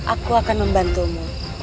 aku akan membantumu